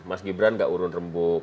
mas gibran nggak urun rembung